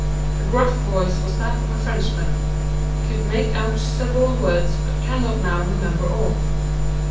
The gruff voice was that of a Frenchman. Could make out several words, but cannot now remember all.